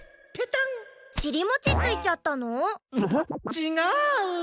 ちがう！